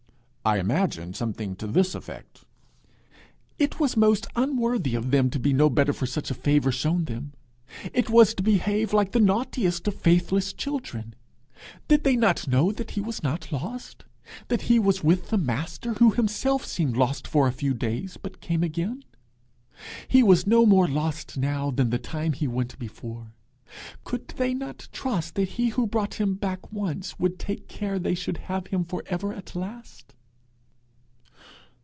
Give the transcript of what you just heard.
I imagine something to this effect: 'It was most unworthy of them to be no better for such a favour shown them. It was to behave like the naughtiest of faithless children. Did they not know that he was not lost? that he was with the Master, who had himself seemed lost for a few days, but came again? He was no more lost now than the time he went before! Could they not trust that he who brought him back once would take care they should have him for ever at last!'